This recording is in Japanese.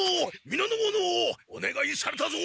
みなの者おねがいされたぞ！